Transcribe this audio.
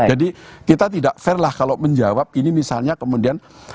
jadi kita tidak fair lah kalau menjawab ini misalnya kemudian hasilnya kalau kita terjadi